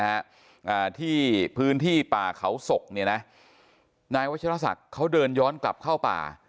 อ่าที่พื้นที่ป่าเขาศกเนี่ยนะนายวัชรศักดิ์เขาเดินย้อนกลับเข้าป่า